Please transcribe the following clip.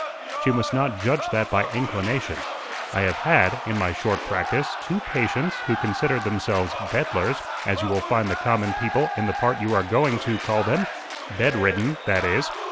She must not judge that by inclination. I have had, in my short practice, two patients, who considered themselves bedlars, as you will find the common people in the part you are going to, call them bedridden, that is.